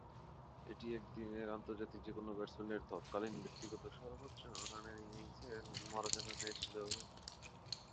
এটিই একদিনের আন্তর্জাতিকে যে-কোন ব্যাটসম্যানের তৎকালীন ব্যক্তিগত সর্বোচ্চ রানের ইনিংসের মর্যাদা পেয়েছিল।